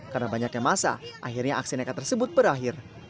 karena banyaknya masa akhirnya aksi nekat tersebut berakhir